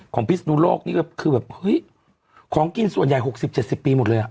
พิศนุโลกนี่ก็คือแบบเฮ้ยของกินส่วนใหญ่๖๐๗๐ปีหมดเลยอ่ะ